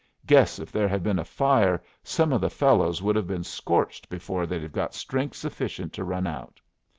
Guess if there had been a fire, some of the fellows would have been scorched before they'd have got strength sufficient to run out.